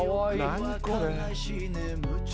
何これ？